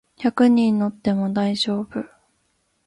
百人乗っても大丈夫